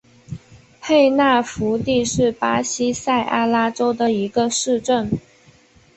佩纳福蒂是巴西塞阿拉州的一个市镇。